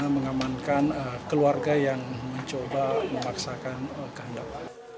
karena mengamankan keluarga yang mencoba memaksakan kehandapan